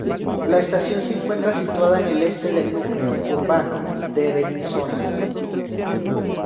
La estación se encuentra situada en el este del núcleo urbano de Bellinzona.